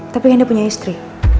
tapi kan dia punya istri